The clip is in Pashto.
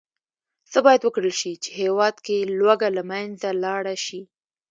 څه باید وکرل شي، چې هېواد کې لوږه له منځه لاړه شي.